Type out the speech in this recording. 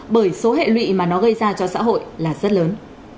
bởi số hệ lụy mà nó gây ra cho xã hội là rất lớn